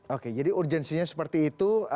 oke jadi urgensinya seperti itu